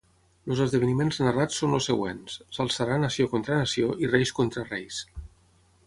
Els esdeveniments narrats són els següents: s'alçarà nació contra nació i reis contra reis.